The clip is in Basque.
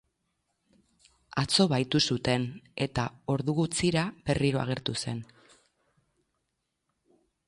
Atzo bahitu zuten, eta ordu gutxira berriro agertu zen.